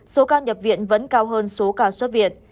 số ca nhập viện vẫn cao hơn số ca xuất viện